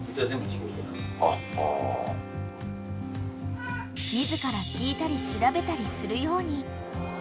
［自ら聞いたり調べたりするように］